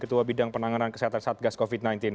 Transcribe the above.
ketua bidang penanganan kesehatan satgas covid sembilan belas